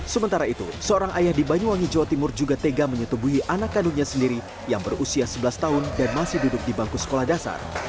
sementara itu seorang ayah di banyuwangi jawa timur juga tega menyetubuhi anak kandungnya sendiri yang berusia sebelas tahun dan masih duduk di bangku sekolah dasar